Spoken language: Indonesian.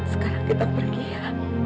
sekarang kita pergi ya